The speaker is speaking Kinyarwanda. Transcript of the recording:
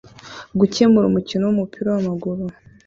Gukemura umukino wumupira wamaguru